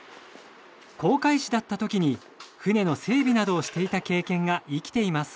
航海士だったときに船の整備などをしていた経験が生きています。